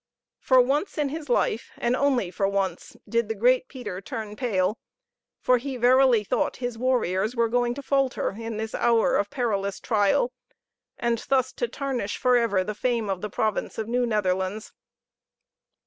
For once in his life, and only for once, did the great Peter turn pale; for he verily thought his warriors were going to falter in this hour of perilous trial, and thus to tarnish forever the fame of the province of New Netherlands.